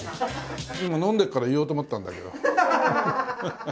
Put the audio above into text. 今飲んでから言おうと思ったんだけど。